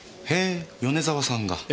へぇ米沢さんが。